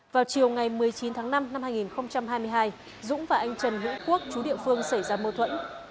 vào chiều ngày một mươi chín tháng năm năm hai nghìn hai mươi hai dũng và anh trần vũ quốc chú địa phương xảy ra mâu thuẫn